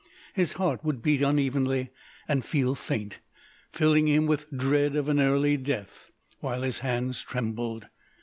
His heart would beat unevenly and feel faint, filling him with dread of an early death, while his hands trembled.